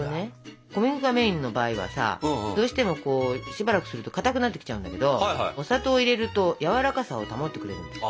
小麦粉がメインの場合はさどうしてもしばらくするとかたくなってきちゃうんだけどお砂糖を入れるとやわらかさを保ってくれるんです。